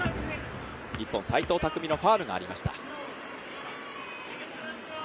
日本、齋藤拓実のファウルがありました。